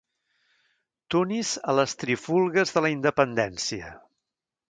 Tunis a les trifulgues de la independència.